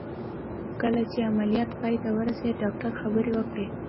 کله چې عمليات پای ته ورسېد ډاکتر خبرې وکړې.